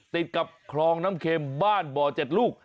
ติดกับคลองน้ำเข็มบ้านบ่อ๗ลูก